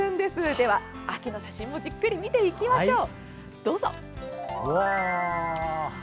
では、秋の写真もじっくり見ていきましょう。